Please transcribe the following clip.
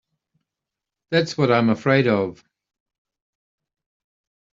That's what I'm afraid of.